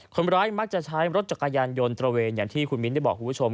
คนร้ายมักจะใช้รถจักรยานยนต์ตระเวนอย่างที่คุณมิ้นได้บอกคุณผู้ชม